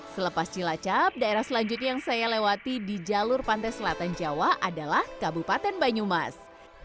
selepas cilacap daerah selanjutnya yang saya lewati di jalur pantai selatan jawa adalah kabupaten banyumas